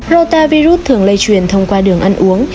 rotavirus thường lây truyền thông qua đường ăn uống